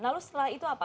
lalu setelah itu apa